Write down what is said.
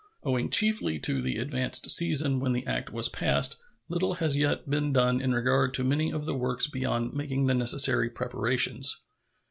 Owing chiefly to the advanced season when the act was passed, little has yet been done in regard to many of the works beyond making the necessary preparations.